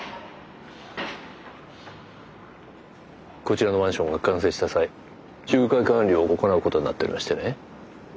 こちらのマンションが完成した際仲介管理を行うことになっておりましてね。